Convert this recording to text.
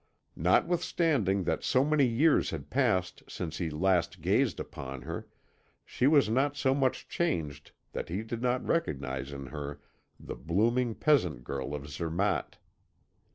Notwithstanding that so many years had passed since he last gazed upon her, she was not so much changed that he did not recognise in her the blooming peasant girl of Zermatt.